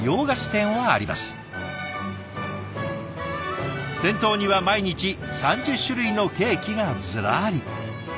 店頭には毎日３０種類のケーキがずらり。